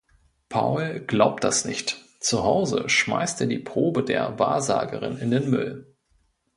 Paul glaubt das nicht, zuhause schmeißt er die Probe der Wahrsagerin in den Müll.